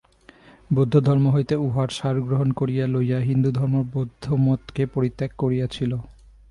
বৌদ্ধধর্ম হইতে উহার সার গ্রহণ করিয়া লইয়া হিন্দুধর্ম বৌদ্ধমতকে পরিত্যাগ করিয়াছিল।